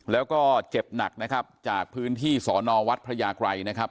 แล้วก็เจ็บหนักนะครับจากพื้นที่สอนอวัดพระยากรัยนะครับ